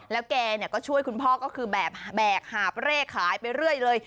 แล้วแกก็ช่วยคุณพ่อก็คือแบบแบกหาบเร่ขายไปเรื่อยเลย